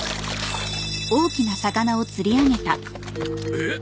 えっ？